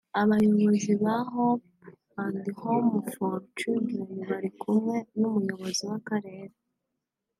Abayobozi ba Hope and Homes for Children bari kumwe n’umuyobozi w’akarere